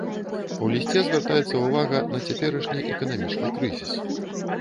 У лісце звяртаецца ўвага на цяперашні эканамічны крызіс.